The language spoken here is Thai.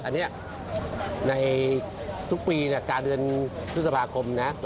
อันนี้ในทุกปีกลางเดือนพฤษภาคมนะ